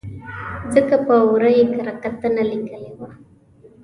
ځکه په ور ه یې کره کتنه لیکلې وه.